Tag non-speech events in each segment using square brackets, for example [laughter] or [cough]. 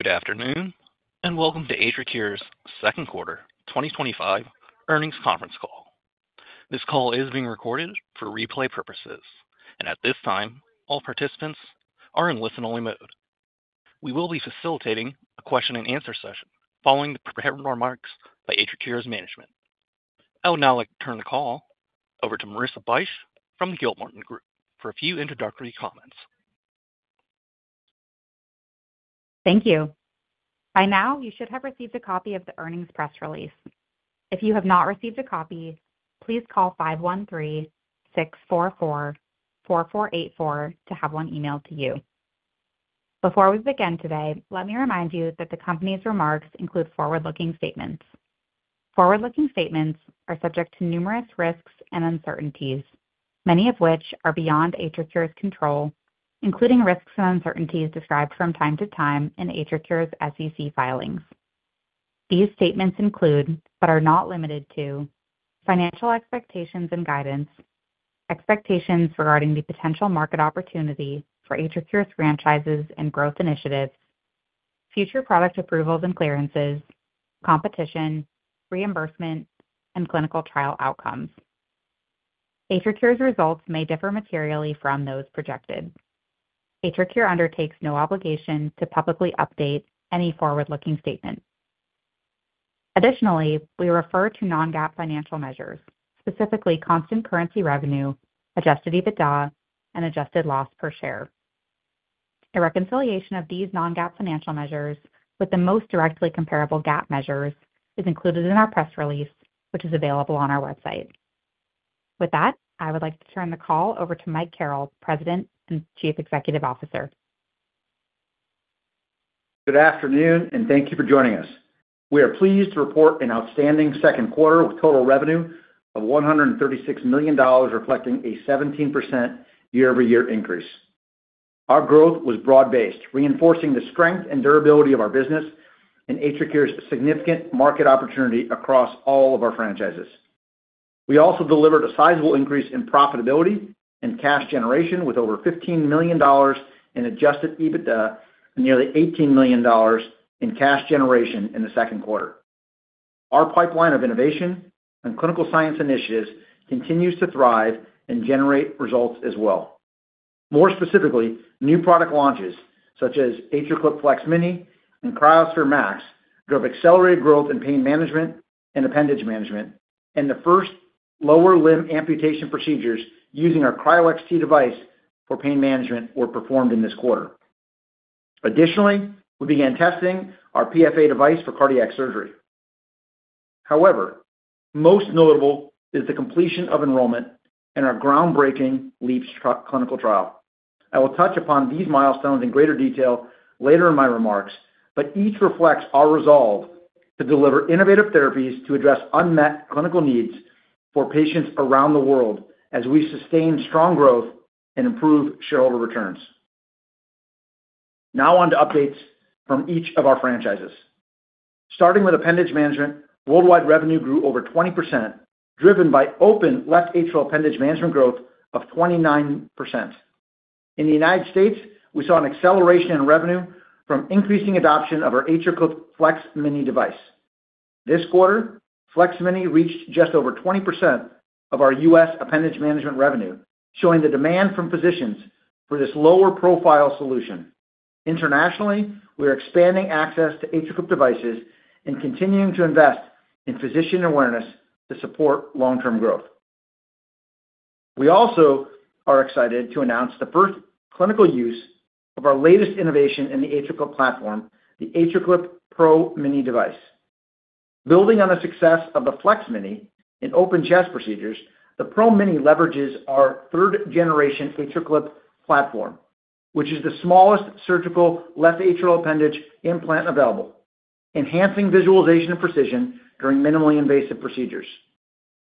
Good afternoon and welcome to AtriCure's Second Quarter 2025 Earnings Conference call. This call is being recorded for replay purposes, and at this time, all participants are in listen-only mode. We will be facilitating a Q&A session following the prepared remarks by AtriCure's management. I would now like to turn the call over to Marissa Bych from the Gilmartin Group for a few introductory comments. Thank you. By now, you should have received a copy of the earnings press release. If you have not received a copy, please call 513-644-4484 to have one emailed to you. Before we begin today, let me remind you that the company's remarks include forward-looking statements. Forward-looking statements are subject to numerous risks and uncertainties, many of which are beyond AtriCure's control, including risks and uncertainties described from time to time in AtriCure's SEC filings. These statements include, but are not limited to, financial expectations and guidance, expectations regarding the potential market opportunity for AtriCure's franchises and growth initiatives, future product approvals and clearances, competition, reimbursement, and clinical trial outcomes. AtriCure's results may differ materially from those projected. AtriCure undertakes no obligation to publicly update any forward-looking statement. Additionally, we refer to non-GAAP financial measures, specifically constant currency revenue, adjusted EBITDA, and adjusted loss per share. A reconciliation of these non-GAAP financial measures with the most directly comparable GAAP measures is included in our press release, which is available on our website. With that, I would like to turn the call over to Mike Carrel, President and Chief Executive Officer. Good afternoon and thank you for joining us. We are pleased to report an outstanding second quarter with total revenue of $136 million, reflecting a 17% year-over-year increase. Our growth was broad-based, reinforcing the strength and durability of our business and AtriCure's significant market opportunity across all of our franchises. We also delivered a sizable increase in profitability and cash generation with over $15 million in adjusted EBITDA and nearly $18 million in cash generation in the second quarter. Our pipeline of innovation and clinical science initiatives continues to thrive and generate results as well. More specifically, new product launches such as AtriClip FLEX-Mini and cryoSPHERE MAX drove accelerated growth in pain management and appendage management, and the first lower limb amputation procedures using our Cryo XT device for pain management were performed in this quarter. Additionally, we began testing our PFA device for cardiac surgery. However, most notable is the completion of enrollment in our groundbreaking LEAPS clinical trial. I will touch upon these milestones in greater detail later in my remarks, but each reflects our resolve to deliver innovative therapies to address unmet clinical needs for patients around the world as we sustain strong growth and improve shareholder returns. Now on to updates from each of our franchises. Starting with appendage management, worldwide revenue grew over 20%, driven by open left atrial appendage management growth of 29%. In the U.S., we saw an acceleration in revenue from increasing adoption of our AtriClip FLEX-Mini device. This quarter, FLEX-Mini reached just over 20% of our U.S. appendage management revenue, showing the demand from physicians for this lower-profile solution. Internationally, we are expanding access to AtriClip devices and continuing to invest in physician awareness to support long-term growth. We also are excited to announce the first clinical use of our latest innovation in the AtriClip platform, the AtriClip PRO-Mini device. Building on the success of the FLEX-Mini in open chest procedures, the PRO-Mini leverages our third-generation AtriClip platform, which is the smallest surgical left atrial appendage implant available, enhancing visualization and precision during minimally invasive procedures.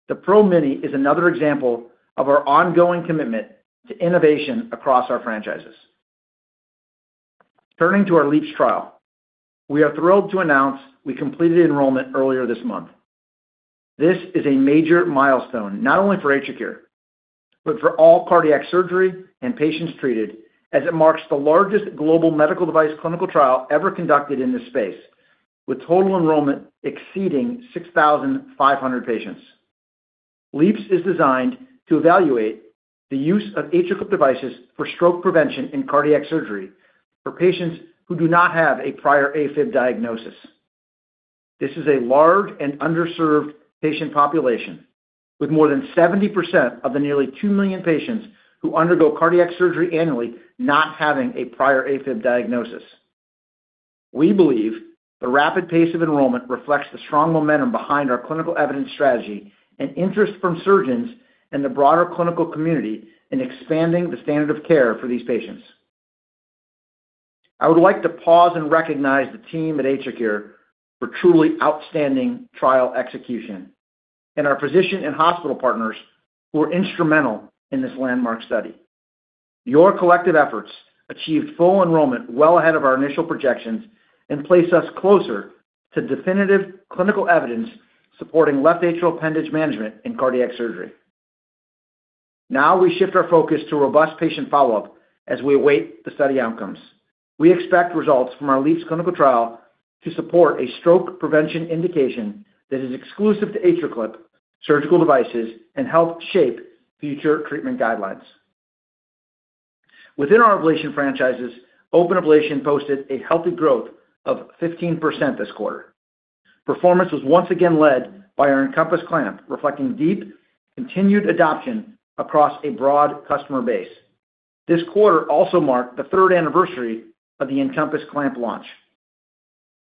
The PRO-Mini is another example of our ongoing commitment to innovation across our franchises. Turning to our LEAPS trial, we are thrilled to announce we completed enrollment earlier this month. This is a major milestone not only for AtriCure, but for all cardiac surgery and patients treated, as it marks the largest global medical device clinical trial ever conducted in this space, with total enrollment exceeding 6,500 patients. LEAPS is designed to evaluate the use of AtriClip devices for stroke prevention in cardiac surgery for patients who do not have a prior AFib diagnosis. This is a large and underserved patient population, with more than 70% of the nearly 2 million patients who undergo cardiac surgery annually not having a prior AFib diagnosis. We believe the rapid pace of enrollment reflects the strong momentum behind our clinical evidence strategy and interest from surgeons and the broader clinical community in expanding the standard of care for these patients. I would like to pause and recognize the team at AtriCure for truly outstanding trial execution and our physician and hospital partners who were instrumental in this landmark study. Your collective efforts achieved full enrollment well ahead of our initial projections and placed us closer to definitive clinical evidence supporting left atrial appendage management in cardiac surgery. Now we shift our focus to robust patient follow-up as we await the study outcomes. We expect results from our LEAPS clinical trial to support a stroke prevention indication that is exclusive to AtriClip surgical devices and help shape future treatment guidelines. Within our ablation franchises, open ablation posted a healthy growth of 15% this quarter. Performance was once again led by our Encompass clamp, reflecting deep continued adoption across a broad customer base. This quarter also marked the third anniversary of the Encompass clamp launch.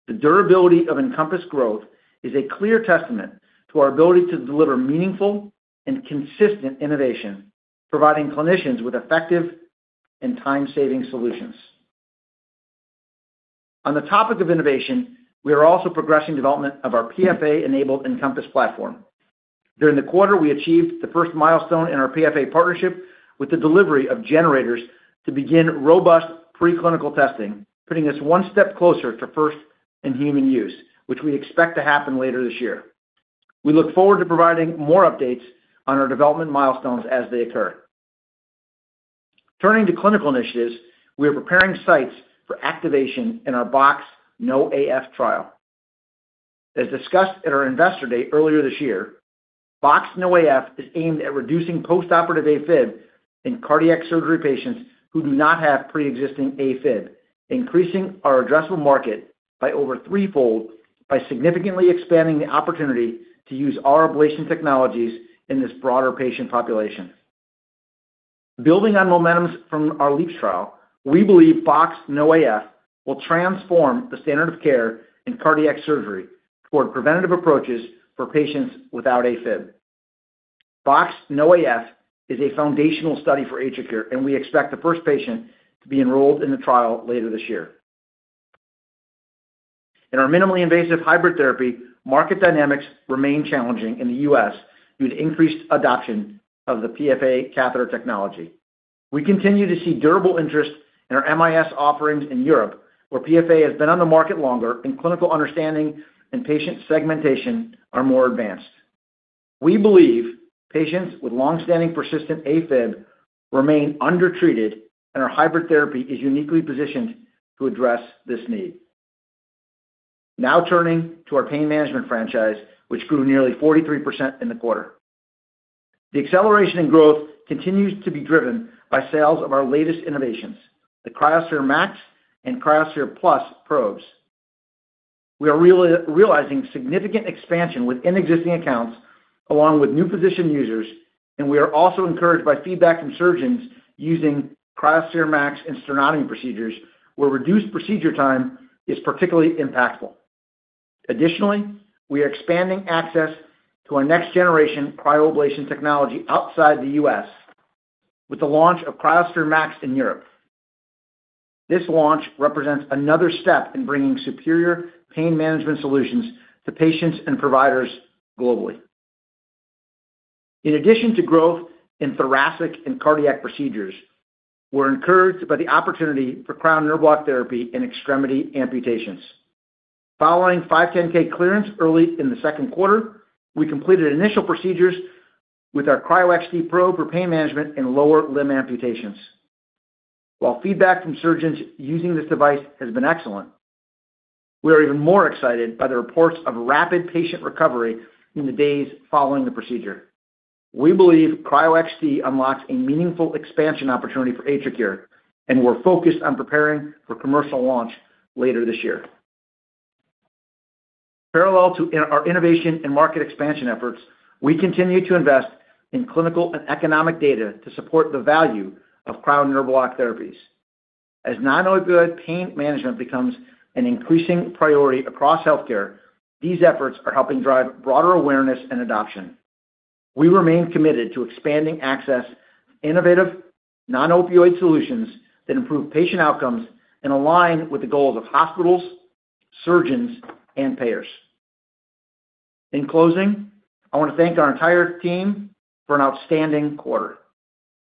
The durability of Encompass growth is a clear testament to our ability to deliver meaningful and consistent innovation, providing clinicians with effective and time-saving solutions. On the topic of innovation, we are also progressing the development of our PFA-enabled Encompass platform. During the quarter, we achieved the first milestone in our PFA partnership with the delivery of generators to begin robust preclinical testing, putting us one step closer to first in human use, which we expect to happen later this year. We look forward to providing more updates on our development milestones as they occur. Turning to clinical initiatives, we are preparing sites for activation in our BoxX-NoAF trial. As discussed at our Investor Day earlier this year, BoxX-NoAF is aimed at reducing postoperative AFib in cardiac surgery patients who do not have pre-existing AFib, increasing our addressable market by over threefold by significantly expanding the opportunity to use our ablation technologies in this broader patient population. Building on momentum from our LEAPS trial, we believe BoxX-NoAF will transform the standard of care in cardiac surgery toward preventative approaches for patients without AFib. BoxX-NoAF is a foundational study for AtriCure, and we expect the first patient to be enrolled in the trial later this year. In our minimally invasive hybrid therapy, market dynamics remain challenging in the U.S. due to increased adoption of the PFA catheter technology. We continue to see durable interest in our MIS offerings in Europe, where PFA has been on the market longer and clinical understanding and patient segmentation are more advanced. We believe patients with longstanding persistent AFib remain undertreated, and our hybrid therapy is uniquely positioned to address this need. Now turning to our pain management franchise, which grew nearly 43% in the quarter. The acceleration in growth continues to be driven by sales of our latest innovations, the cryoSPHERE MAX and cryoSPHERE Plus probes. We are realizing significant expansion with inexisting accounts along with new physician users, and we are also encouraged by feedback from surgeons using cryoSPHERE MAX in sternotomy procedures, where reduced procedure time is particularly impactful. Additionally, we are expanding access to our next-generation cryoablation technology outside the U.S. with the launch of cryoSPHERE MAX in Europe. This launch represents another step in bringing superior pain management solutions to patients and providers globally. In addition to growth in thoracic and cardiac procedures, we're encouraged by the opportunity for cryo nerve block therapy in extremity amputations. Following 510(k) clearance early in the second quarter, we completed initial procedures with our CryoXT probe for pain management in lower limb amputations. While feedback from surgeons using this device has been excellent, we are even more excited by the reports of rapid patient recovery in the days following the procedure. We believe CryoXT unlocks a meaningful expansion opportunity for AtriCure, and we're focused on preparing for commercial launch later this year. Parallel to our innovation and market expansion efforts, we continue to invest in clinical and economic data to support the value of cryo nerve block therapies. As non-opioid pain management becomes an increasing priority across healthcare, these efforts are helping drive broader awareness and adoption. We remain committed to expanding access to innovative non-opioid solutions that improve patient outcomes and align with the goals of hospitals, surgeons, and payers. In closing, I want to thank our entire team for an outstanding quarter.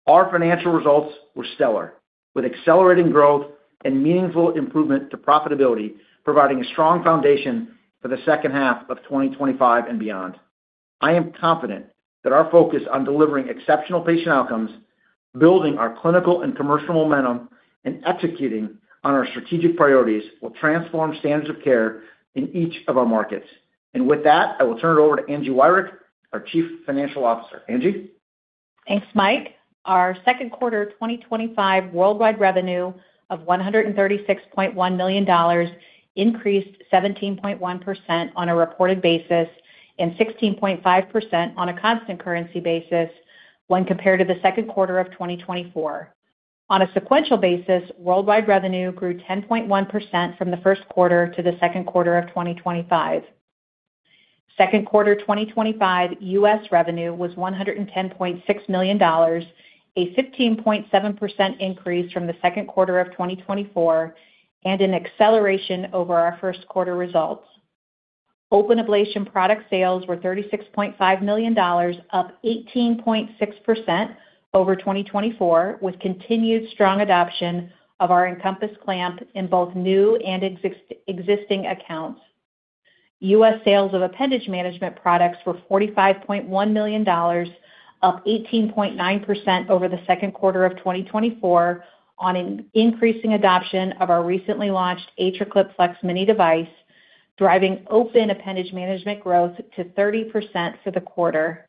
Our financial results were stellar, with accelerating growth and meaningful improvement to profitability, providing a strong foundation for the second half of 2025 and beyond. I am confident that our focus on delivering exceptional patient outcomes, building our clinical and commercial momentum, and executing on our strategic priorities will transform standards of care in each of our markets. I will turn it over to Angie Wirick, our Chief Financial Officer. Angie? Thanks, Mike. Our second quarter 2025 worldwide revenue of $136.1 million increased 17.1% on a reported basis and 16.5% on a constant currency basis when compared to the second quarter of 2024. On a sequential basis, worldwide revenue grew 10.1% from the first quarter to the second quarter of 2025. Second quarter 2025 U.S. revenue was $110.6 million, a 15.7% increase from the second quarter of 2024, and an acceleration over our first quarter results. Open ablation product sales were $36.5 million, up 18.6% over 2024, with continued strong adoption of our Encompass clamp in both new and existing accounts. U.S. sales of appendage management products were $45.1 million, up 18.9% over the second quarter of 2024, on an increasing adoption of our recently launched AtriClip FLEX-Mini device, driving open appendage management growth to 30% for the quarter.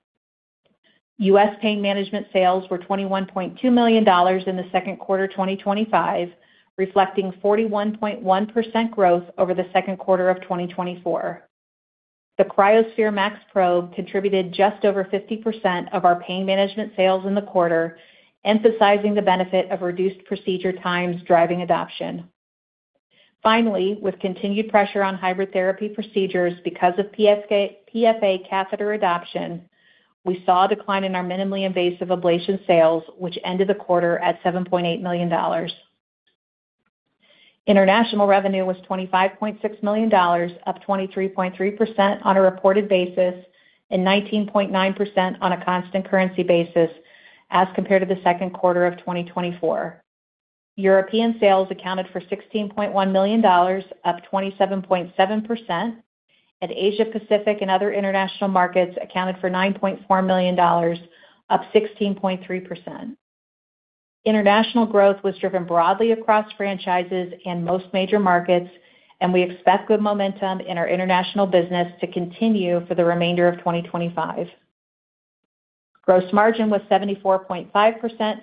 U.S. pain management sales were $21.2 million in the second quarter 2025, reflecting 41.1% growth over the second quarter of 2024. The cryoSPHERE MAX probe contributed just over 50% of our pain management sales in the quarter, emphasizing the benefit of reduced procedure times driving adoption. Finally, with continued pressure on hybrid therapy procedures because of PFA catheter adoption, we saw a decline in our minimally invasive ablation sales, which ended the quarter at $7.8 million. International revenue was $25.6 million, up 23.3% on a reported basis and 19.9% on a constant currency basis as compared to the second quarter of 2024. European sales accounted for $16.1 million, up 27.7%, and Asia-Pacific and other international markets accounted for $9.4 million, up 16.3%. International growth was driven broadly across franchises and most major markets, and we expect good momentum in our international business to continue for the remainder of 2025. Gross margin was 74.5%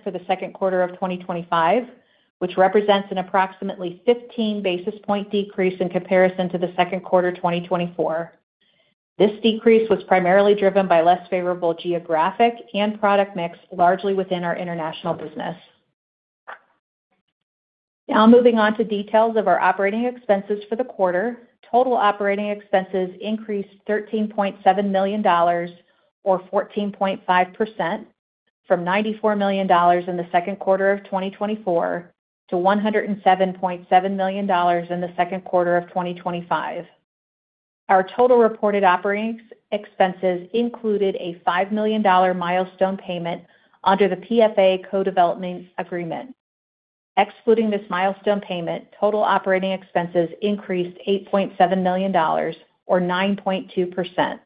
for the second quarter of 2025, which represents an approximately 15 basis point decrease in comparison to the second quarter 2024. This decrease was primarily driven by less favorable geographic and product mix, largely within our international business. Now moving on to details of our operating expenses for the quarter, total operating expenses increased $13.7 million, or 14.5%, from $94 million in the second quarter of 2024 to $107.7 million in the second quarter of 2025. Our total reported operating expenses included a $5 million milestone payment under the PFA co-development agreement. Excluding this milestone payment, total operating expenses increased $8.7 million, or 9.2%.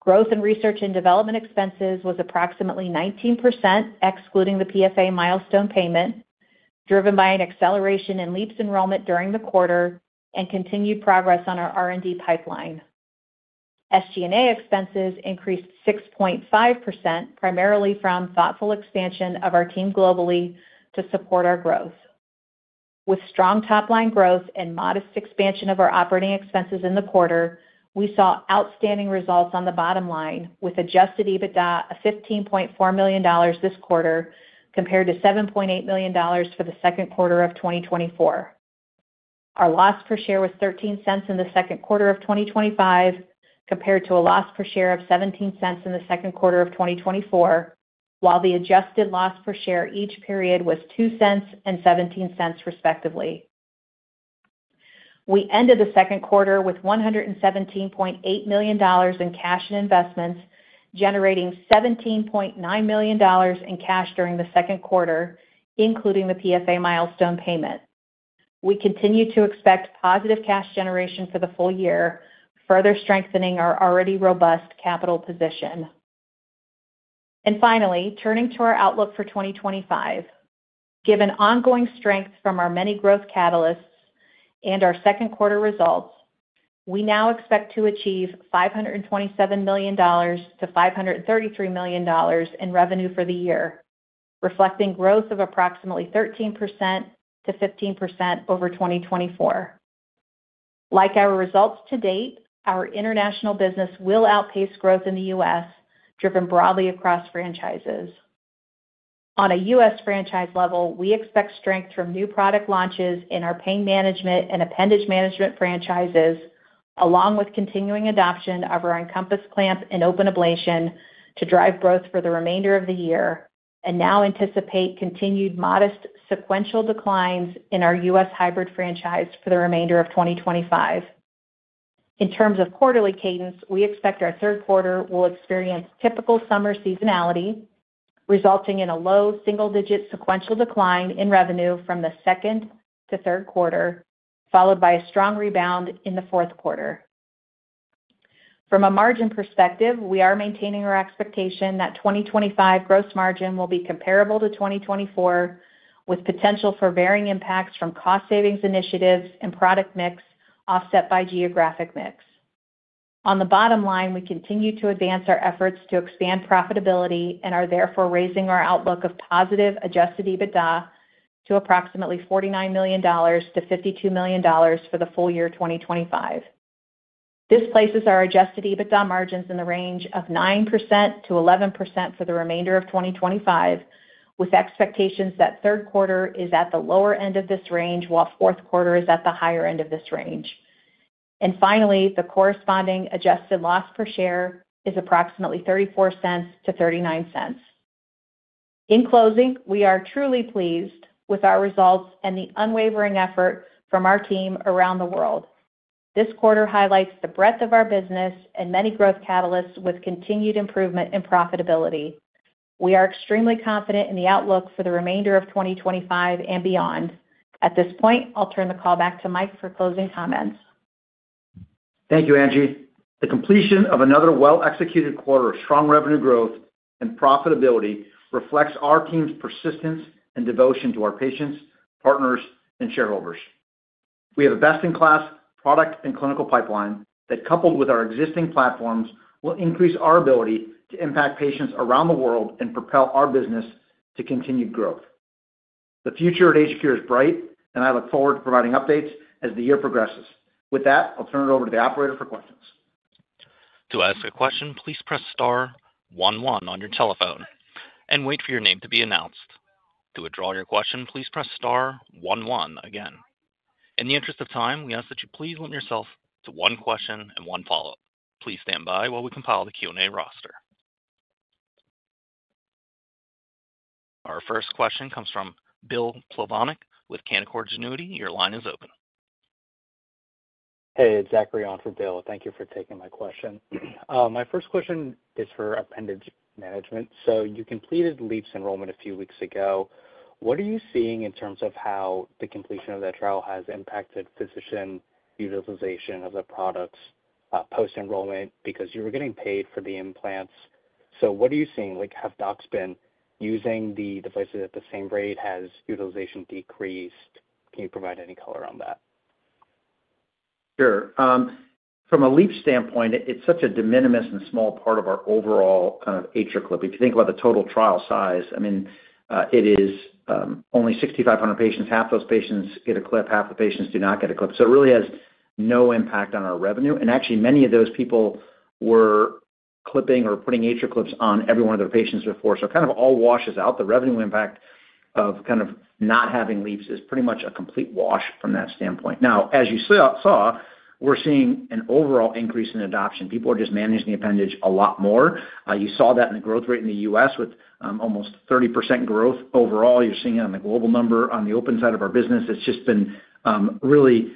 Growth in research and development expenses was approximately 19%, excluding the PFA milestone payment, driven by an acceleration in LEAPS enrollment during the quarter and continued progress on our R&D pipeline. SG&A expenses increased 6.5%, primarily from thoughtful expansion of our team globally to support our growth. With strong top-line growth and modest expansion of our operating expenses in the quarter, we saw outstanding results on the bottom line, with adjusted EBITDA of $15.4 million this quarter compared to $7.8 million for the second quarter of 2024. Our loss per share was $0.13 in the second quarter of 2025 compared to a loss per share of $0.17 in the second quarter of 2024, while the adjusted loss per share each period was $0.02 and $0.17, respectively. We ended the second quarter with $117.8 million in cash and investments, generating $17.9 million in cash during the second quarter, including the PFA milestone payment. We continue to expect positive cash generation for the full year, further strengthening our already robust capital position. Finally, turning to our outlook for 2025, given ongoing strength from our many growth catalysts and our second quarter results, we now expect to achieve $527 million to $533 million in revenue for the year, reflecting growth of approximately 13% to 15% over 2024. Like our results to date, our international business will outpace growth in the U.S., driven broadly across franchises. On a U.S. franchise level, we expect strength from new product launches in our pain management and appendage management franchises, along with continuing adoption of our Encompass clamp and open ablation to drive growth for the remainder of the year, and now anticipate continued modest sequential declines in our U.S. hybrid franchise for the remainder of 2025. In terms of quarterly cadence, we expect our third quarter will experience typical summer seasonality, resulting in a low single-digit sequential decline in revenue from the second to third quarter, followed by a strong rebound in the fourth quarter. From a margin perspective, we are maintaining our expectation that 2025 gross margin will be comparable to 2024, with potential for varying impacts from cost savings initiatives and product mix offset by geographic mix. On the bottom line, we continue to advance our efforts to expand profitability and are therefore raising our outlook of positive adjusted EBITDA to approximately $49 million to $52 million for the full year 2025. This places our adjusted EBITDA margins in the range of 9% to 11% for the remainder of 2025, with expectations that third quarter is at the lower end of this range, while fourth quarter is at the higher end of this range. The corresponding adjusted loss per share is approximately $0.34 to $0.39. In closing, we are truly pleased with our results and the unwavering effort from our team around the world. This quarter highlights the breadth of our business and many growth catalysts with continued improvement in profitability. We are extremely confident in the outlook for the remainder of 2025 and beyond. At this point, I'll turn the call back to Mike for closing comments. Thank you, Angie. The completion of another well-executed quarter of strong revenue growth and profitability reflects our team's persistence and devotion to our patients, partners, and shareholders. We have a best-in-class product and clinical pipeline that, coupled with our existing platforms, will increase our ability to impact patients around the world and propel our business to continued growth. The future at AtriCure is bright, and I look forward to providing updates as the year progresses. With that, I'll turn it over to the operator for questions. To ask a question, please press star one one on your telephone and wait for your name to be announced. To withdraw your question, please press *11 again. In the interest of time, we ask that you please limit yourself to one question and one follow-up. Please stand by while we compile the Q&A roster. Our first question comes from William Plovanic with Canaccord Genuity. Your line is open. Hey, it's Zachary on for Bill. Thank you for taking my question. My first question is for appendage management. You completed LEAPS enrollment a few weeks ago. What are you seeing in terms of how the completion of that trial has impacted physician utilization of the products post-enrollment? You were getting paid for the implants. What are you seeing? Have docs been using the devices at the same rate? Has utilization decreased? Can you provide any color on that? Sure. From a LEAPS standpoint, it's such a de minimis and small part of our overall kind of AtriClip. If you think about the total trial size, I mean, it is only 6,500 patients. Half those patients get a clip, half the patients do not get a clip. It really has no impact on our revenue. Actually, many of those people were clipping or putting AtriClips on every one of their patients before. It kind of all washes out. The revenue impact of kind of not having LEAPS is pretty much a complete wash from that standpoint. As you saw, we're seeing an overall increase in adoption. People are just managing the appendage a lot more. You saw that in the growth rate in the U.S. with almost 30% growth overall. You're seeing it on the global number on the open side of our business. It's just been really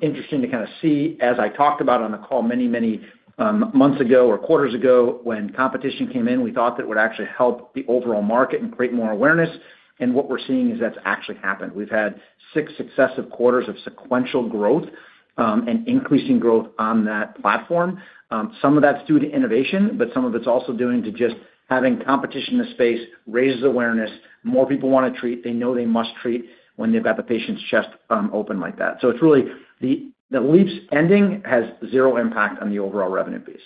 interesting to kind of see, as I talked about on the call many, many months ago or quarters ago, when competition came in, we thought that it would actually help the overall market and create more awareness. What we're seeing is that's actually happened. We've had six successive quarters of sequential growth and increasing growth on that platform. Some of that's due to innovation, but some of it's also due to just having competition in the space raise awareness. More people want to treat. They know they must treat when they've got the patient's chest open like that. It's really the LEAPS ending has zero impact on the overall revenue base.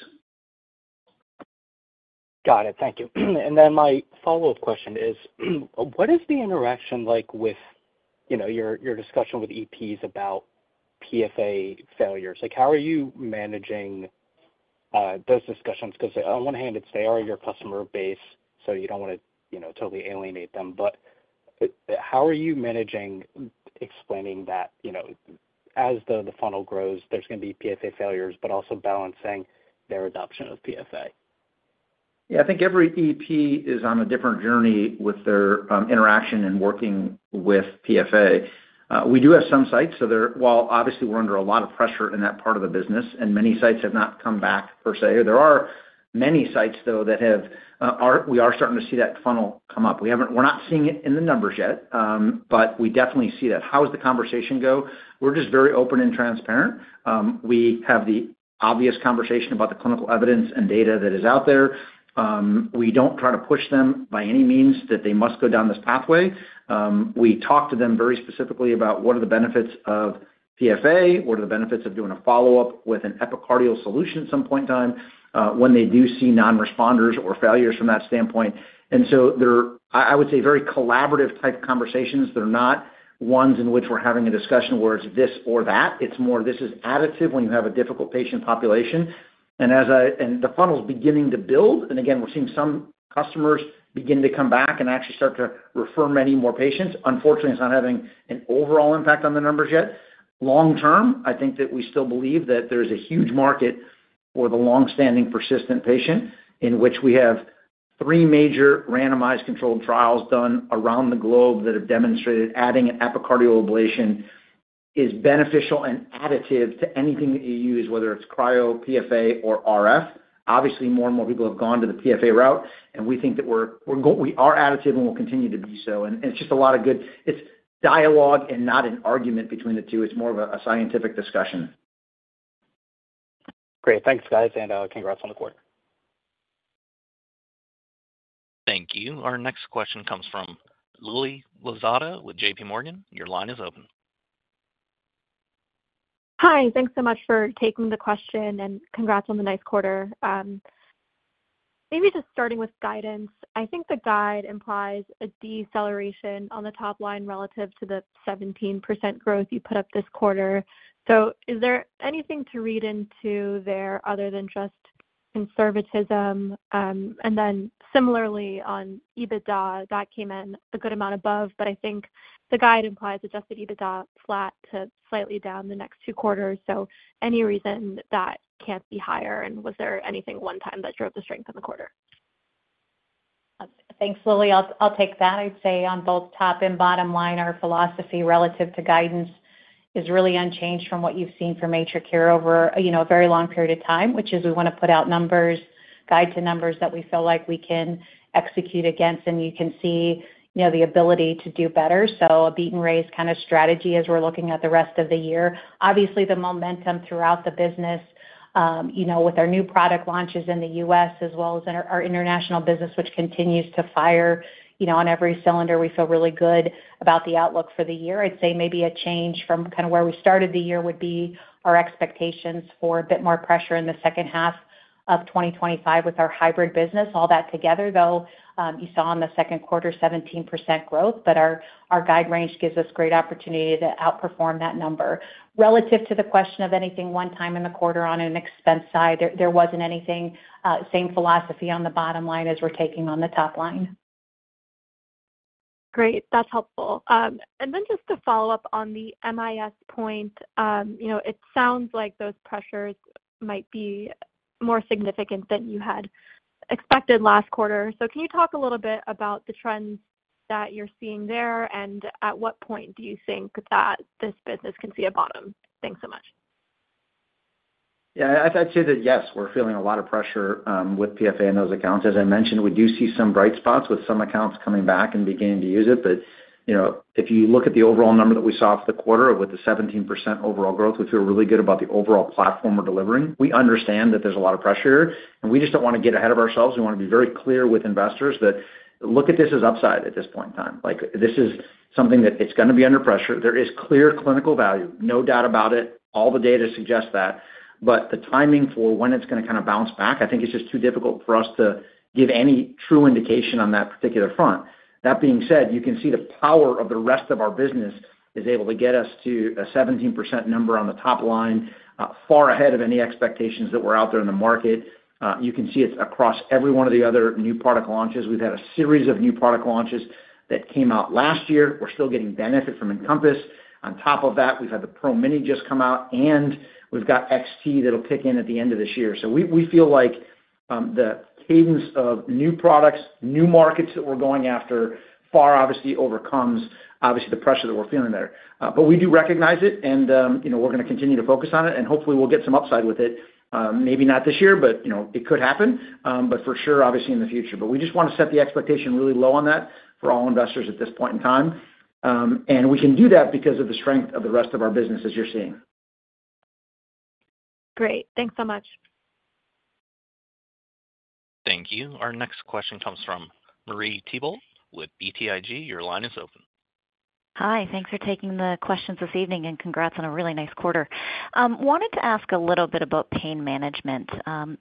Got it. Thank you. My follow-up question is, what is the interaction like with your discussion with EPs about PFA failures? How are you managing those discussions? On one hand, they are your customer base, so you don't want to totally alienate them. How are you managing explaining that as the funnel grows, there's going to be PFA failures, but also balancing their adoption of PFA? Yeah, I think every EP is on a different journey with their interaction and working with PFA. We do have some sites, so while obviously we're under a lot of pressure in that part of the business, and many sites have not come back per se, there are many sites, though, that have. We are starting to see that funnel come up. We're not seeing it in the numbers yet, but we definitely see that. How does the conversation go? We're just very open and transparent. We have the obvious conversation about the clinical evidence and data that is out there. We don't try to push them by any means that they must go down this pathway. We talk to them very specifically about what are the benefits of PFA, what are the benefits of doing a follow-up with an epicardial solution at some point in time when they do see non-responders or failures from that standpoint. I would say they're very collaborative type conversations. They're not ones in which we're having a discussion where it's this or that. It's more this is additive when you have a difficult patient population. As the funnel's beginning to build, we're seeing some customers begin to come back and actually start to refer many more patients. Unfortunately, it's not having an overall impact on the numbers yet. Long term, I think that we still believe that there's a huge market for the longstanding persistent patient in which we have three major randomized controlled trials done around the globe that have demonstrated adding an epicardial ablation is beneficial and additive to anything that you use, whether it's cryo, PFA, or RF. Obviously, more and more people have gone to the PFA route, and we think that we are additive and will continue to be so. It's just a lot of good, it's dialogue and not an argument between the two. It's more of a scientific discussion. Great. Thanks, guys, and congrats on the quarter. Thank you. Our next question comes from Lily Lozada with JPMorgan. Your line is open. Hi. Thanks so much for taking the question and congrats on the nice quarter. Maybe just starting with guidance, I think the guide implies a deceleration on the top line relative to the 17% growth you put up this quarter. Is there anything to read into there other than just conservatism? Similarly on EBITDA, that came in a good amount above, but I think the guide implies adjusted EBITDA flat to slightly down the next two quarters. Any reason that can't be higher? Was there anything one time that drove the strength in the quarter? Thanks, Lily. I'll take that. I'd say on both top and bottom line, our philosophy relative to guidance is really unchanged from what you've seen from AtriCure over a very long period of time, which is we want to put out numbers, guide to numbers that we feel like we can execute against, and you can see the ability to do better. A beat-and-raise kind of strategy as we're looking at the rest of the year. Obviously, the momentum throughout the business, with our new product launches in the U.S., as well as our international business, which continues to fire on every cylinder, we feel really good about the outlook for the year. I'd say maybe a change from kind of where we started the year would be our expectations for a bit more pressure in the second half of 2025 with our hybrid business. All that together, though, you saw in the second quarter 17% growth, but our guide range gives us great opportunity to outperform that number. Relative to the question of anything one time in the quarter on an expense side, there wasn't anything, same philosophy on the bottom line as we're taking on the top line. Great. That's helpful. Just to follow up on the MIS point, it sounds like those pressures might be more significant than you had expected last quarter. Can you talk a little bit about the trends that you're seeing there and at what point do you think that this business can see a bottom? Thanks so much. Yeah, I'd say that yes, we're feeling a lot of pressure with PFA in those accounts. As I mentioned, we do see some bright spots with some accounts coming back and beginning to use it. If you look at the overall number that we saw for the quarter with the 17% overall growth, we feel really good about the overall platform we're delivering. We understand that there's a lot of pressure here, and we just don't want to get ahead of ourselves. We want to be very clear with investors that look at this as upside at this point in time. This is something that is going to be under pressure. There is clear clinical value, no doubt about it. All the data suggests that. The timing for when it's going to kind of bounce back, I think it's just too difficult for us to give any true indication on that particular front. That being said, you can see the power of the rest of our business is able to get us to a 17% number on the top line, far ahead of any expectations that were out there in the market. You can see it's across every one of the other new product launches. We've had a series of new product launches that came out last year. We're still getting benefit from Encompass. On top of that, we've had the PRO-Mini just come out, and we've got XT that'll kick in at the end of this year. We feel like the cadence of new products, new markets that we're going after far obviously overcomes the pressure that we're feeling there. We do recognize it, and we're going to continue to focus on it, and hopefully we'll get some upside with it. Maybe not this year, but it could happen. For sure, obviously in the future. We just want to set the expectation really low on that for all investors at this point in time. We can do that because of the strength of the rest of our business as you're seeing. Great, thanks so much. Thank you. Our next question comes from Marie Thibault with BTIG. Your line is open. Hi. Thanks for taking the questions this evening and congrats on a really nice quarter. Wanted to ask a little bit about pain management.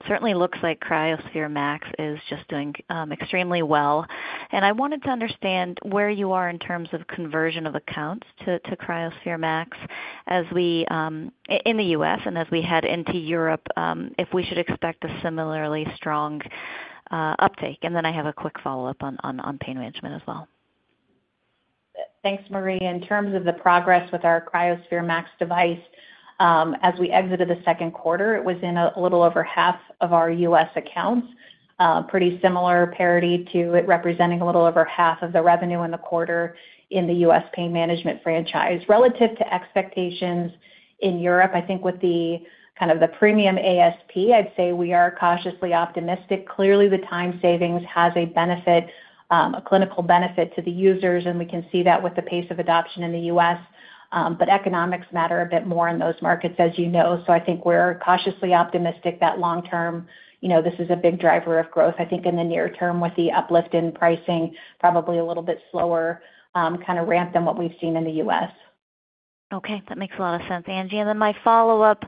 Certainly looks like cryoSPHERE MAX is just doing extremely well. I wanted to understand where you are in terms of conversion of accounts to cryoSPHERE MAX in the U.S. and as we head into Europe if we should expect a similarly strong uptake. I have a quick follow-up on pain management as well. Thanks, Marie. In terms of the progress with our cryoSPHERE MAX device, as we exited the second quarter, it was in a little over half of our U.S. accounts. Pretty similar parity to it representing a little over half of the revenue in the quarter in the U.S. pain management franchise. Relative to expectations in Europe, I think with the kind of the premium ASP, I'd say we are cautiously optimistic. Clearly, the time savings has a benefit, a clinical benefit to the users, and we can see that with the pace of adoption in the U.S. Economics matter a bit more in those markets, as you know. I think we're cautiously optimistic that long term, you know, this is a big driver of growth. I think in the near term with the uplift in pricing, probably a little bit slower kind of ramp than what we've seen in the U.S. Okay. That makes a lot of sense, Angela. My follow-up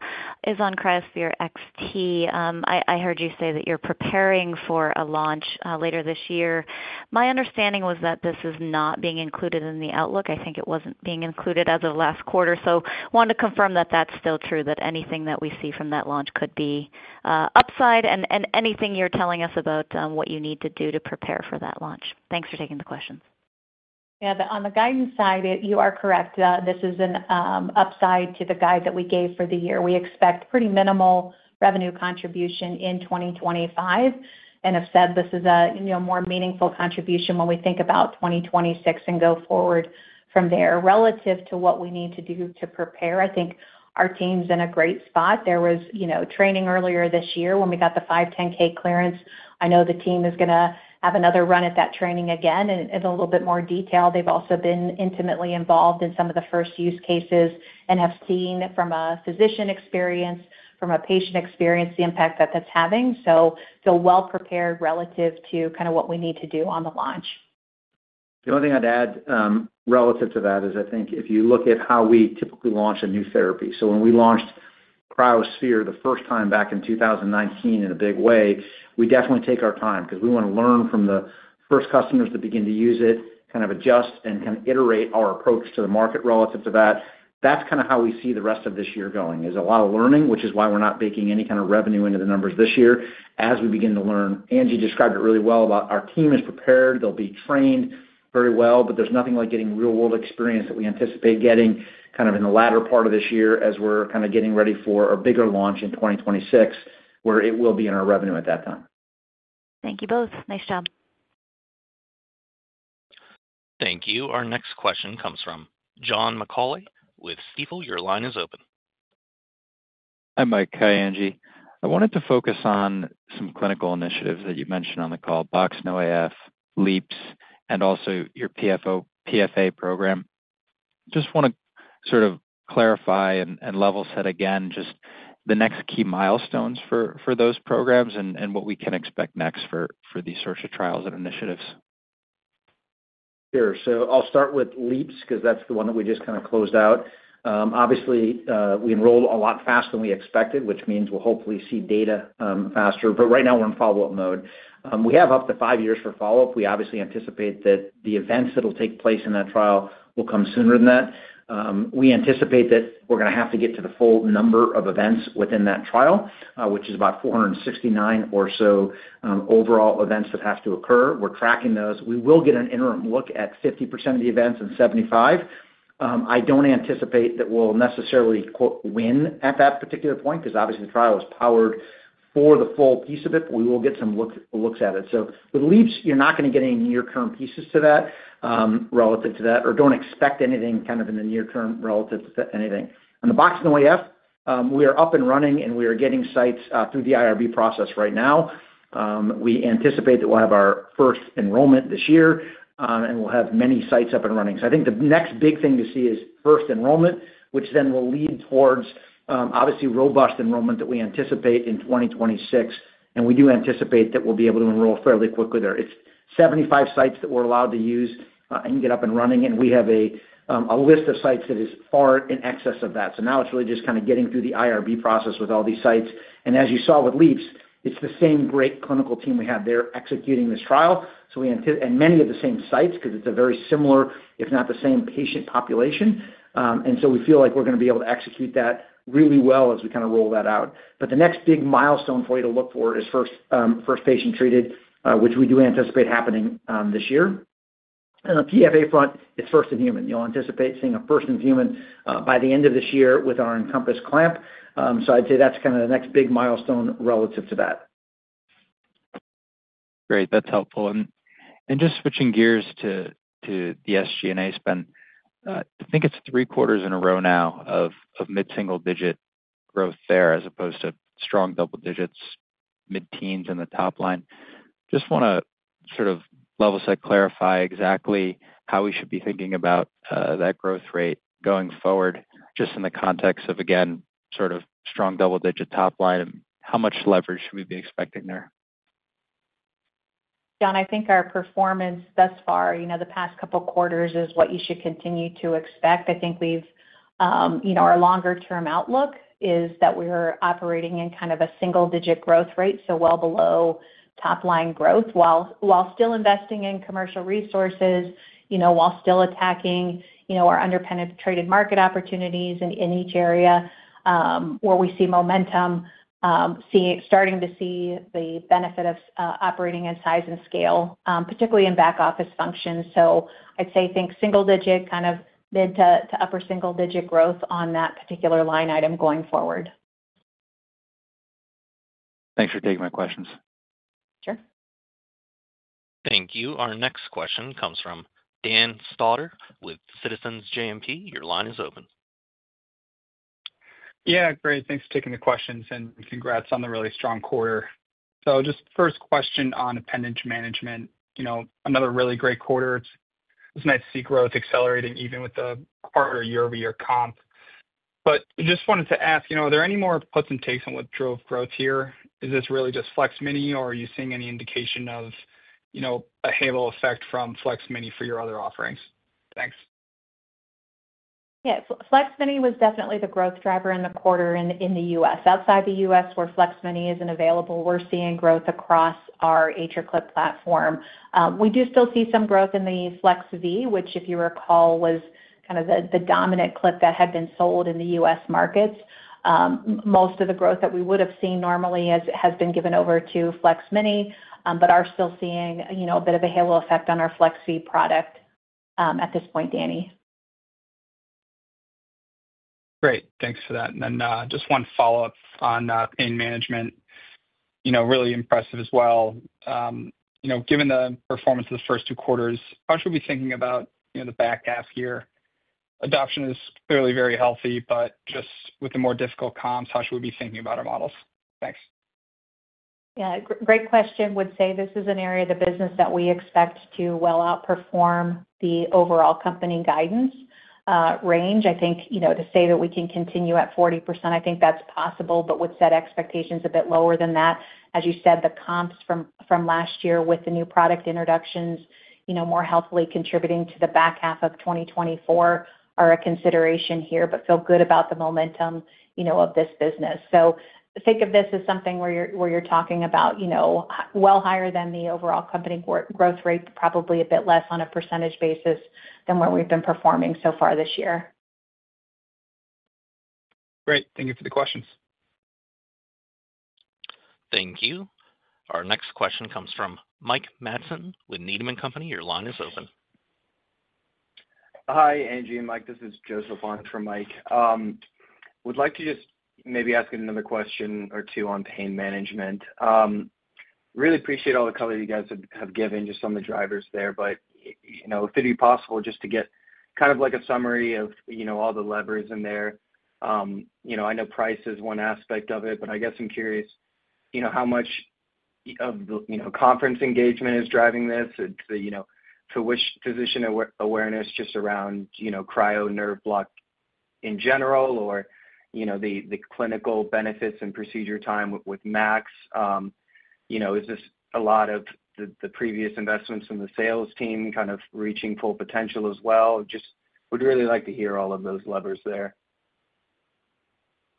is on cryoSPHERE XT. I heard you say that you're preparing for a launch later this year. My understanding was that this is not being included in the outlook. I think it wasn't being included as of last quarter. I wanted to confirm that that's still true, that anything that we see from that launch could be upside and anything you're telling us about what you need to do to prepare for that launch. Thanks for taking the questions. Yeah, on the guidance side, you are correct. This is an upside to the guide that we gave for the year. We expect pretty minimal revenue contribution in 2025 and have said this is a more meaningful contribution when we think about 2026 and go forward from there. Relative to what we need to do to prepare, I think our team's in a great spot. There was training earlier this year when we got the 510(k) clearance. I know the team is going to have another run at that training again in a little bit more detail. They've also been intimately involved in some of the first use cases and have seen from a physician experience, from a patient experience, the impact that that's having. They're well prepared relative to kind of what we need to do on the launch. The only thing I'd add relative to that is I think if you look at how we typically launch a new therapy. When we launched cryoSPHERE the first time back in 2019 in a big way, we definitely take our time because we want to learn from the first customers that begin to use it, kind of adjust and iterate our approach to the market relative to that. That's how we see the rest of this year going, a lot of learning, which is why we're not baking any kind of revenue into the numbers this year as we begin to learn. Angela Wirick described it really well about our team is prepared. They'll be trained very well, but there's nothing like getting real-world experience that we anticipate getting in the latter part of this year as we're getting ready for a bigger launch in 2026 where it will be in our revenue at that time. Thank you both. Nice job. Thank you. Our next question comes from John McAulay with Stifel. Your line is open. Hi, Mike. Hi, Angie. I wanted to focus on some clinical initiatives that you mentioned on the call: BoxX-NoAF, LEAPS, and also your PFA program. Just want to sort of clarify and level set again just the next key milestones for those programs and what we can expect next for these sorts of trials and initiatives. Sure. I'll start with LEAPS because that's the one that we just kind of closed out. Obviously, we enrolled a lot faster than we expected, which means we'll hopefully see data faster. Right now, we're in follow-up mode. We have up to five years for follow-up. We obviously anticipate that the events that will take place in that trial will come sooner than that. We anticipate that we're going to have to get to the full number of events within that trial, which is about 469 or so overall events that have to occur. We're tracking those. We will get an interim look at 50% of the events and 75%. I don't anticipate that we'll necessarily "win" at that particular point because obviously the trial is powered for the full piece of it, but we will get some looks at it. With LEAPS, you're not going to get any near-term pieces to that relative to that or don't expect anything kind of in the near term relative to anything. On the BoxX-NoAF, we are up and running and we are getting sites through the IRB process right now. We anticipate that we'll have our first enrollment this year and we'll have many sites up and running. I think the next big thing to see is first enrollment, which then will lead towards obviously robust enrollment that we anticipate in 2026. We do anticipate that we'll be able to enroll fairly quickly there. It's 75 sites that we're allowed to use and get up and running, and we have a list of sites that is far in excess of that. Now it's really just kind of getting through the IRB process with all these sites. As you saw with LEAPS, it's the same great clinical team we have. They're executing this trial. We anticipate many of the same sites because it's a very similar, if not the same, patient population. We feel like we're going to be able to execute that really well as we kind of roll that out. The next big milestone for you to look for is first patient treated, which we do anticipate happening this year. On the PFA front, it's first in human. You'll anticipate seeing a first in human by the end of this year with our Encompass clamp. I'd say that's kind of the next big milestone relative to that. Great. That's helpful. Just switching gears to the SG&A spend, I think it's three quarters in a row now of mid-single-digit growth there as opposed to strong double digits, mid-teens in the top line. Just want to sort of level set, clarify exactly how we should be thinking about that growth rate going forward, just in the context of, again, sort of strong double-digit top line and how much leverage should we be expecting there. John, I think our performance thus far, the past couple of quarters is what you should continue to expect. I think our longer-term outlook is that we're operating in kind of a single-digit growth rate, so well below top-line growth, while still investing in commercial resources, while still attacking our underpenetrated market opportunities in each area where we see momentum, starting to see the benefit of operating in size and scale, particularly in back-office functions. I'd say think single-digit, kind of mid to upper single-digit growth on that particular line item going forward. Thanks for taking my questions. Sure. Thank you. Our next question comes from Dan Stauder with Citizens JMP Securities. Your line is open. Yeah, great. Thanks for taking the questions and congrats on the really strong quarter. Just first question on appendage management. You know, another really great quarter. It's nice to see growth accelerating even with the quarter year-over-year comp. I just wanted to ask, you know, are there any more puts and takes on what drove growth here? Is this really just FLEX-Mini or are you seeing any indication of, you know, a halo effect from FLEX-Mini for your other offerings? Thanks. Yeah, FLEX-Mini was definitely the growth driver in the quarter in the U.S. Outside the U.S., where FLEX-Mini isn't available, we're seeing growth across our AtriClip platform. We do still see some growth in the FLEX-V, which if you recall was kind of the dominant clip that had been sold in the U.S. markets. Most of the growth that we would have seen normally has been given over to FLEX-Mini, but are still seeing, you know, a bit of a halo effect on our FLEX-V product at this point, Danny. Great. Thanks for that. Just one follow-up on pain management. Really impressive as well. Given the performance of the first two quarters, how should we be thinking about the back half here? Adoption is clearly very healthy, but with the more difficult comps, how should we be thinking about our models? Thanks. Yeah, great question. This is an area of the business that we expect to well outperform the overall company guidance range. I think, you know, to say that we can continue at 40%, I think that's possible, but would set expectations a bit lower than that. As you said, the comps from last year with the new product introductions, you know, more healthily contributing to the back half of 2024 are a consideration here, but feel good about the momentum, you know, of this business. Think of this as something where you're talking about, you know, well higher than the overall company growth rate, but probably a bit less on a % basis than where we've been performing so far this year. Great. Thank you for the questions. Thank you. Our next question comes from Mike Matson with Needham & Company. Your line is open. Hi, Angie and Mike. This is Joseph on for Mike. I would like to just maybe ask another question or two on pain management. Really appreciate all the color you guys have given just on the drivers there. If it'd be possible just to get kind of like a summary of all the levers in there. I know price is one aspect of it, but I guess I'm curious how much of the conference engagement is driving this. To what extent is physician awareness just around cryo nerve block in general or the clinical benefits and procedure time with MAX. Is this a lot of the previous investments in the sales team kind of reaching full potential as well? Just would really like to hear all of those levers there.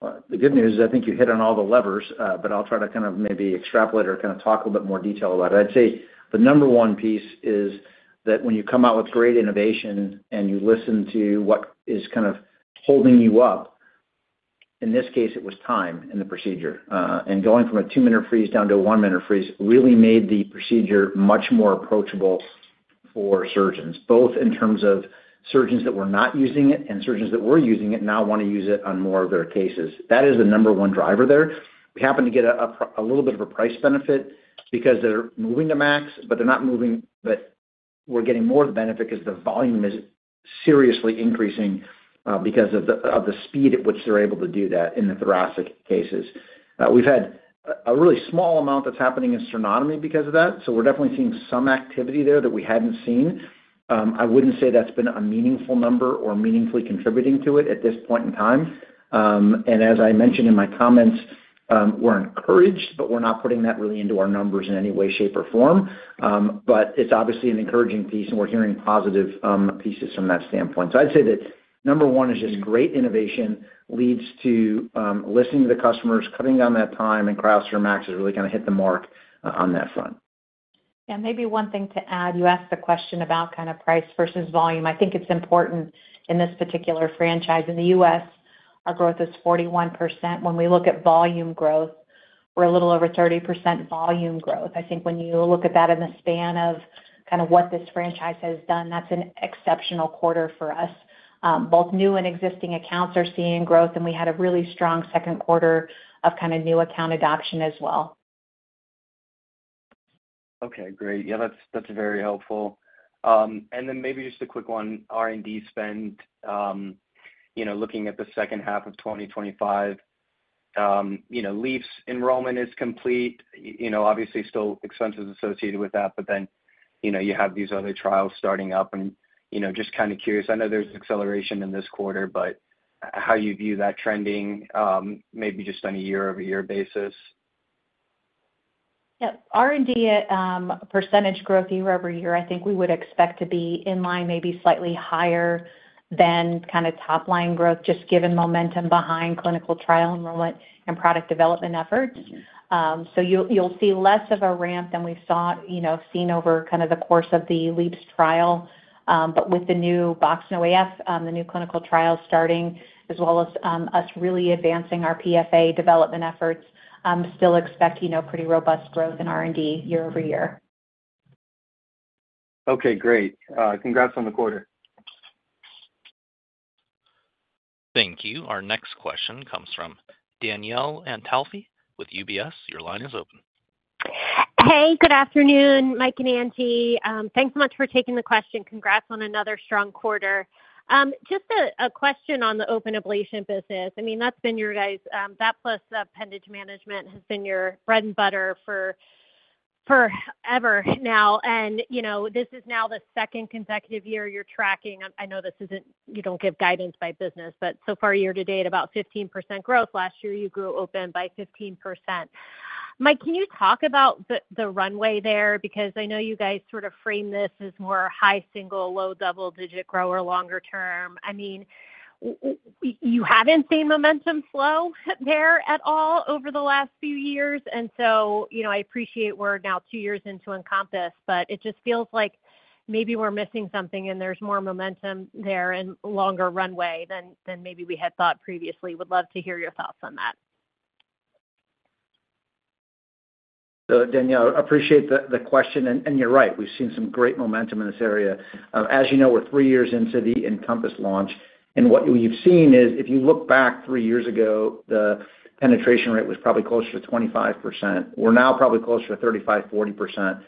The good news is I think you hit on all the levers, but I'll try to kind of maybe extrapolate or kind of talk a little bit more detail about it. I'd say the number one piece is that when you come out with great innovation and you listen to what is kind of holding you up, in this case, it was time in the procedure. Going from a two-minute freeze down to a one-minute freeze really made the procedure much more approachable for surgeons, both in terms of surgeons that were not using it and surgeons that were using it now want to use it on more of their cases. That is the number one driver there. We happen to get a little bit of a price benefit because they're moving to MAX, but they're not moving, but we're getting more of the benefit because the volume is seriously increasing because of the speed at which they're able to do that in the thoracic cases. We've had a really small amount that's happening in sternotomy because of that. We are definitely seeing some activity there that we hadn't seen. I wouldn't say that's been a meaningful number or meaningfully contributing to it at this point in time. As I mentioned in my comments, we're encouraged, but we're not putting that really into our numbers in any way, shape, or form. It's obviously an encouraging piece, and we're hearing positive pieces from that standpoint. I'd say that number one is just great innovation leads to listening to the customers, cutting down that time, and cryoSPHERE MAX has really kind of hit the mark on that front. Yeah, maybe one thing to add, you asked the question about kind of price versus volume. I think it's important in this particular franchise in the U.S., our growth is 41%. When we look at volume growth, we're a little over 30% volume growth. I think when you look at that in the span of kind of what this franchise has done, that's an exceptional quarter for us. Both new and existing accounts are seeing growth, and we had a really strong second quarter of kind of new account adoption as well. Okay, great. Yeah, that's very helpful. Maybe just a quick one, R&D spend, you know, looking at the second half of 2025. LEAPS enrollment is complete. Obviously still expenses associated with that, but then you have these other trials starting up. Just kind of curious, I know there's acceleration in this quarter, but how you view that trending, maybe just on a year-over-year basis? Yeah, R&D % growth year-over-year, I think we would expect to be in line, maybe slightly higher than kind of top-line growth, just given momentum behind clinical trial enrollment and product development efforts. You'll see less of a ramp than we've seen over the course of the LEAPS clinical trial. With the new BoxX-NoAF, the new clinical trial starting, as well as us really advancing our PFA development efforts, still expect, you know, pretty robust growth in R&D year-over-year. Okay, great. Congrats on the quarter. Thank you. Our next question comes from Danielle Antalffy with UBS. Your line is open. Hey, good afternoon, Mike and Angie. Thanks so much for taking the question. Congrats on another strong quarter. Just a question on the open ablation business. I mean, that's been your guys, that plus appendage management has been your bread and butter forever now. This is now the second consecutive year you're tracking. I know this isn't, you don't give guidance by business, but so far year to date, about 15% growth. Last year, you grew open by 15%. Mike, can you talk about the runway there? I know you guys sort of frame this as more high single, low double-digit grower longer term. You haven't seen momentum flow there at all over the last few years. I appreciate we're now two years into Encompass, but it just feels like maybe we're missing something and there's more momentum there and longer runway than maybe we had thought previously. Would love to hear your thoughts on that. Danielle, I appreciate the question. You're right, we've seen some great momentum in this area. As you know, we're three years into the Encompass launch. What you've seen is if you look back three years ago, the penetration rate was probably closer to 25%. We're now probably closer to 35, 40%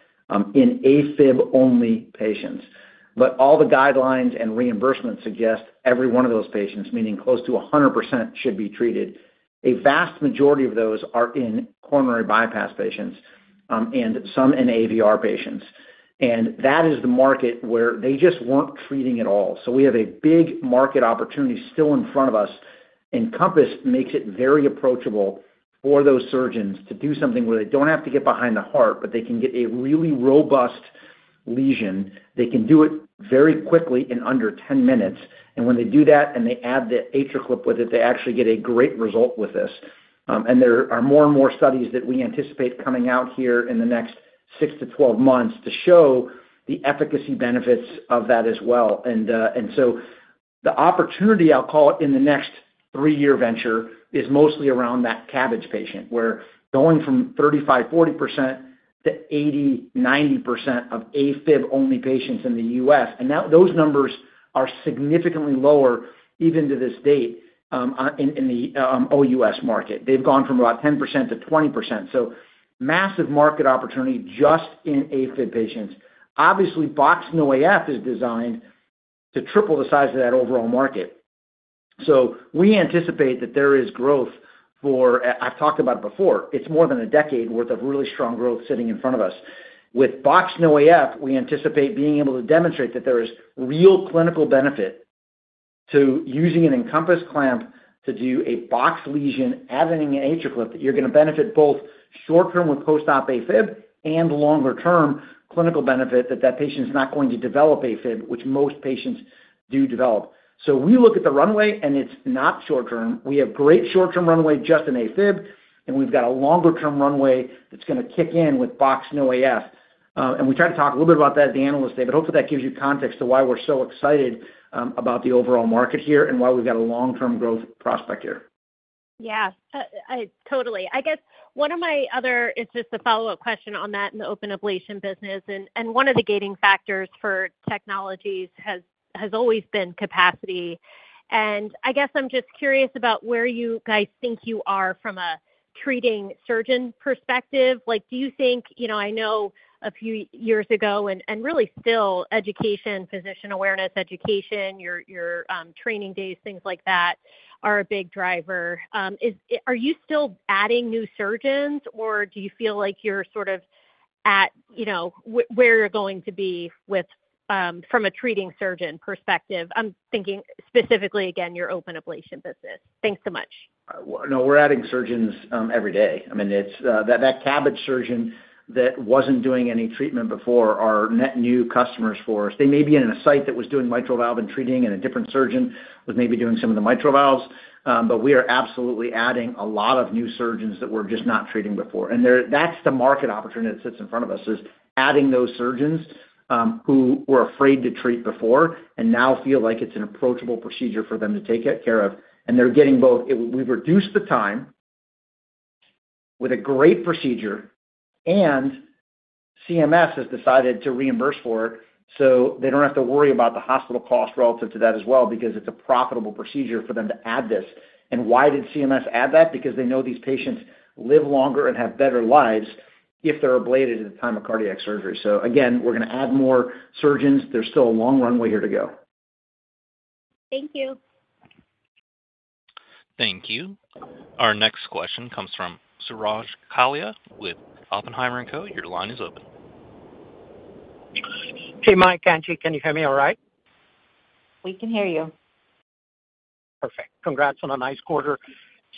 in AFib-only patients. All the guidelines and reimbursements suggest every one of those patients, meaning close to 100%, should be treated. A vast majority of those are in coronary bypass patients and some in AVR patients. That is the market where they just weren't treating at all. We have a big market opportunity still in front of us. Encompass makes it very approachable for those surgeons to do something where they don't have to get behind the heart, but they can get a really robust lesion. They can do it very quickly in under 10 minutes. When they do that and they add the AtriClip with it, they actually get a great result with this. There are more and more studies that we anticipate coming out here in the next 6 to 12 months to show the efficacy benefits of that as well. The opportunity, I'll call it, in the next three-year venture is mostly around that CABG patient, where going from 35, 40% to 80, 90% of AFib-only patients in the U.S. Now those numbers are significantly lower even to this date in the OUS market. They've gone from about 10% to 20%. Massive market opportunity just in AFib patients. Obviously, BoxX-NoAF is designed to triple the size of that overall market. We anticipate that there is growth for, I've talked about it before, it's more than a decade worth of really strong growth sitting in front of us. With BoxX-NoAF, we anticipate being able to demonstrate that there is real clinical benefit to using an Encompass clamp to do a box lesion adding an AtriClip that you're going to benefit both short-term with post-op AFib and longer-term clinical benefit that that patient is not going to develop AFib, which most patients do develop. We look at the runway and it's not short-term. We have great short-term runway just in AFib and we've got a longer-term runway that's going to kick in with BoxX-NoAF. We try to talk a little bit about that at the analyst day, but hopefully that gives you context to why we're so excited about the overall market here and why we've got a long-term growth prospect here. Yeah, totally. I guess one of my other, it's just a follow-up question on that in the open ablation business. One of the gating factors for technologies has always been capacity. I guess I'm just curious about where you guys think you are from a treating surgeon perspective. Do you think, you know, I know a few years ago and really still education, physician awareness, education, your training days, things like that are a big driver. Are you still adding new surgeons or do you feel like you're sort of at, you know, where you're going to be with from a treating surgeon perspective? I'm thinking specifically, again, your open ablation business. Thanks so much. No, we're adding surgeons every day. I mean, it's that CABG surgeon that wasn't doing any treatment before are net new customers for us. They may be in a site that was doing mitral valve and treating and a different surgeon was maybe doing some of the mitral valves. We are absolutely adding a lot of new surgeons that were just not treating before. That's the market opportunity that sits in front of us, adding those surgeons who were afraid to treat before and now feel like it's an approachable procedure for them to take care of. They're getting both. We've reduced the time with a great procedure, and CMS has decided to reimburse for it. They don't have to worry about the hospital cost relative to that as well because it's a profitable procedure for them to add this. Why did CMS add that? Because they know these patients live longer and have better lives if they're ablated at the time of cardiac surgery. Again, we're going to add more surgeons. There's still a long runway here to go. Thank you. Thank you. Our next question comes from Suraj Kalia with Oppenheimer & Co. Your line is open. Hey, Mike, Angie, can you hear me all right? We can hear you. Perfect. Congrats on a nice quarter.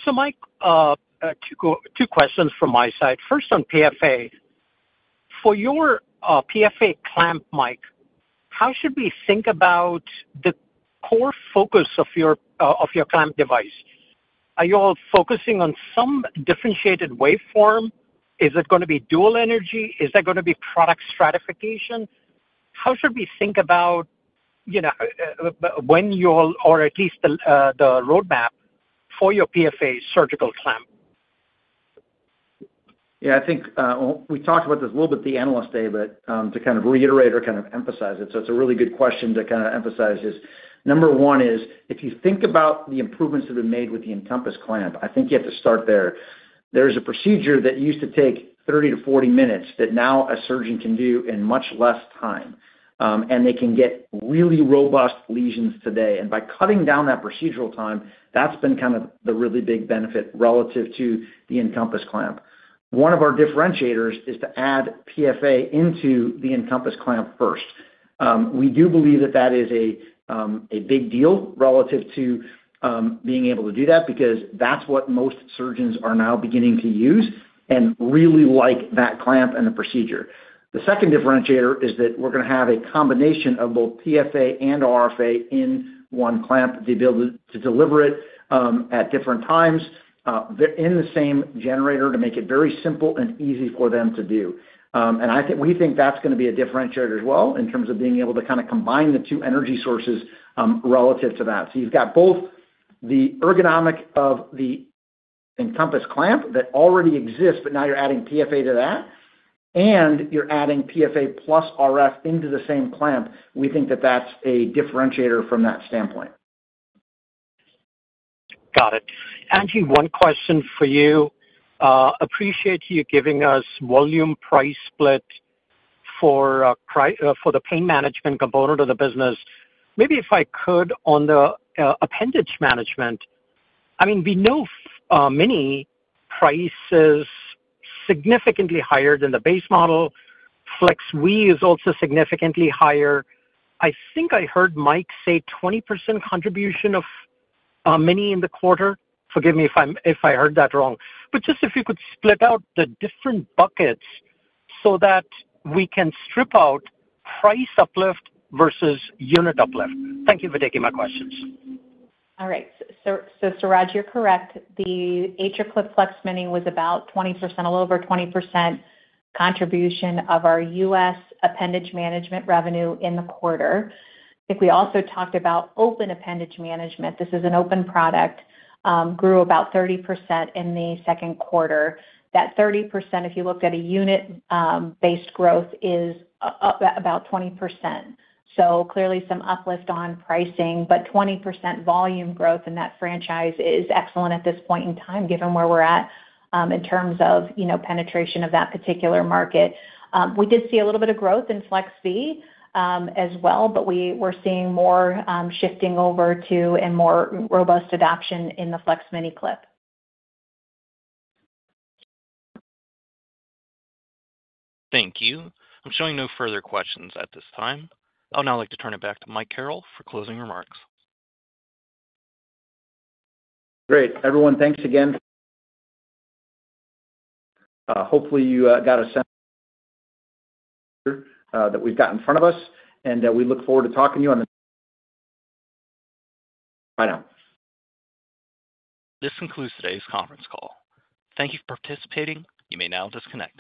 Mike, two questions from my side. First on PFA. For your PFA clamp, Mike, how should we think about the core focus of your clamp device? Are you all focusing on some differentiated waveform? Is it going to be dual energy? Is that going to be product stratification? How should we think about, you know, when you all, or at least the roadmap for your PFA surgical clamp? Yeah, I think we talked about this a little bit at the analyst day, but to kind of reiterate or emphasize it. It's a really good question to emphasize. Number one is if you think about the improvements that have been made with the Encompass clamp, I think you have to start there. There's a procedure that used to take 30 to 40 minutes that now a surgeon can do in much less time, and they can get really robust lesions today. By cutting down that procedural time, that's been the really big benefit relative to the Encompass clamp. One of our differentiators is to add PFA into the Encompass clamp first. We do believe that that is a big deal relative to being able to do that because that's what most surgeons are now beginning to use and really like that clamp and the procedure. The second differentiator is that we're going to have a combination of both PFA and RFA in one clamp, the ability to deliver it at different times in the same generator to make it very simple and easy for them to do. I think we think that's going to be a differentiator as well in terms of being able to combine the two energy sources relative to that. You've got both the ergonomic of the Encompass clamp that already exists, but now you're adding PFA to that and you're adding PFA plus RF into the same clamp. We think that that's a differentiator from that standpoint. Got it. Angela, one question for you. Appreciate you giving us volume price split for the pain management component of the business. Maybe if I could on the appendage management. I mean, we know Mini prices significantly higher than the base model. FLEX-Mini is also significantly higher. I think I heard Mike say 20% contribution of Mini in the quarter. Forgive me if I heard that wrong. Just if you could split out the different buckets so that we can strip out price uplift versus unit uplift. Thank you for taking my questions. All right. Suraj, you're correct. The AtriClip FLEX-Mini was about 20%, a little over 20% contribution of our U.S. appendage management revenue in the quarter. I think we also talked about open appendage management. This is an open product. It grew about 30% in the second quarter. That 30%, if you looked at a unit-based growth, is about 20%. Clearly some uplift on pricing, but 20% volume growth in that franchise is excellent at this point in time, given where we're at in terms of penetration of that particular market. We did see a little bit of growth in FLEX-V as well, but we're seeing more shifting over to and more robust adoption in the FLEX-Mini Clip. Thank you. I'm showing no further questions at this time. I'll now like to turn it back to Mike Carrel for closing remarks. Great. Everyone, thanks again. Hopefully, you got a sense [audio distortion] that we've got in front of us, and we look forward to talking to you on the... [audio distortion] This concludes today's conference call. Thank you for participating. You may now disconnect.